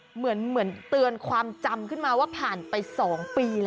เหมือนเตือนความจำขึ้นมาว่าผ่านไป๒ปีแล้ว